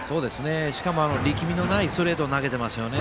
しかも力みのないストレートを投げてますよね。